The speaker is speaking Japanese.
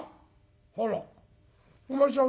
「あら。お前さん